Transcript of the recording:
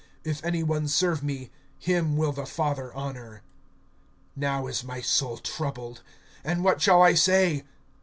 If any one serve me, him will the Father honor. (27)Now is my soul troubled; and what shall I say?